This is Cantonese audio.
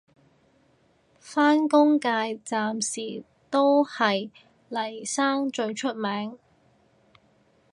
返工界暫時都係嚟生最出名